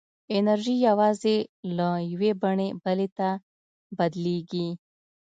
انرژي یوازې له یوې بڼې بلې ته بدلېږي.